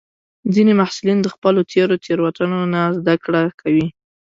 ځینې محصلین د خپلو تېرو تېروتنو نه زده کړه کوي.